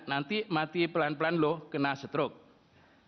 nanti mati pelan pelan loh kena stroke